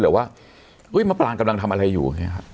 เหลือว่ามะปรางกำลังทำอะไรอยู่